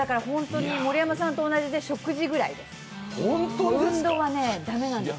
盛山さんと同じで食事ぐらいです。